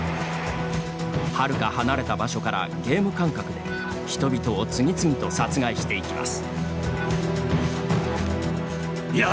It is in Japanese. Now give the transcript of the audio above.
はるか離れた場所からゲーム感覚で人々を次々と殺害していきます。